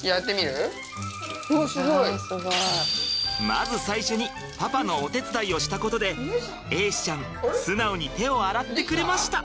まず最初にパパのお手伝いをしたことで瑛志ちゃん素直に手を洗ってくれました！